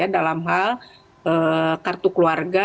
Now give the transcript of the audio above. dalam hal kartu keluarga